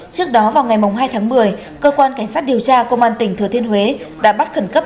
trước đó vào ngày hai tháng một mươi cơ quan cảnh sát điều tra công an tỉnh thừa thiên huế đã bắt khẩn cấp